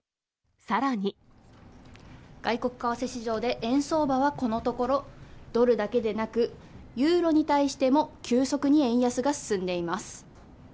外国為替市場で円相場はこのところ、ドルだけでなく、ユーロに対しても急速に円安が進んでいます。